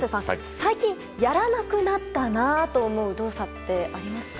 最近、やらなくなったなと思う動作ってありますか？